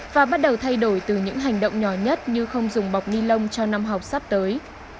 và bắt đầu thay đổi từ những hành động nhỏ nhất như không dùng bọc ni lông cho năm học sắp tới